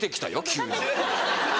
急に。